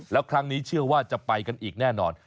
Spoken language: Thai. แล้วครั้งนี้เชื่อว่าจะไปกันอีกแน่นอน